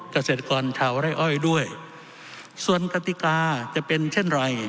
เกษตรกรชาวไร่อ้อยด้วยส่วนกติกาจะเป็นเช่นไร